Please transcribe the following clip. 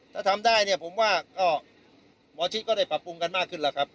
ถ้าทำได้เนี่ยผมว่าก็หมอชิดก็ได้ปรับปรุงกันมากขึ้นแล้วครับ